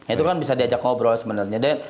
itu kan bisa diajak ngobrol sebenarnya